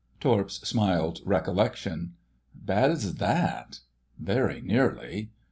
Torps smiled recollection. "Bad's that?" "Very nearly."